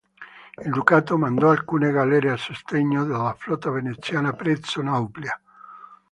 Il Ducato mandò alcune galere a sostegno della flotta veneziana presso Nauplia.